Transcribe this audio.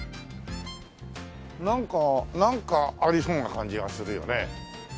なんかなんかありそうな感じはするよね。